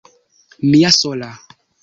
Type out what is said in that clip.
Mia sola!